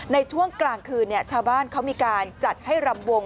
ในช่วงกลางคืนชาวบ้านเขามีการจัดให้รำวง